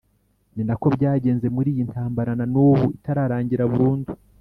ni nako byagenze muri iyi ntambara na n'ubu itararangira burundu.